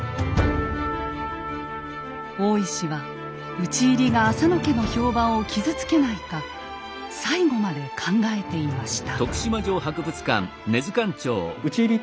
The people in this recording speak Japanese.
大石は討ち入りが浅野家の評判を傷つけないか最後まで考えていました。